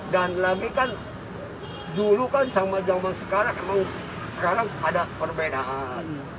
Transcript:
lagi kan dulu kan sama zaman sekarang emang sekarang ada perbedaan